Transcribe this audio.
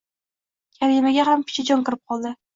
Karimaga ham picha jon kirib qoldi